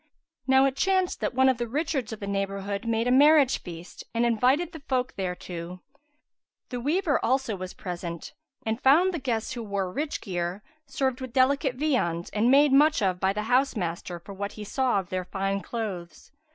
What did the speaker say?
Now it chanced that one of the richards of the neighbourhood made a marriage feast and invited the folk thereto: the weaver also was present and found the guests, who wore rich gear, served with delicate viands and made much of by the house master for what he saw of their fine clothes.